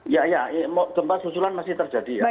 ya ya gempa susulan masih terjadi ya